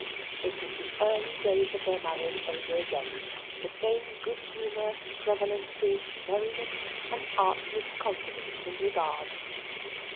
It was the early days of their marriage over again: the same good humour, prevenances, merriment, and artless confidence and regard.